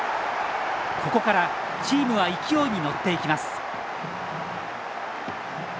ここからチームは勢いに乗っていきます。